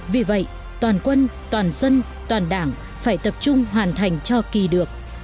vì vậy toàn quân toàn dân toàn đảng phải tập trung hoàn thành cho kỳ được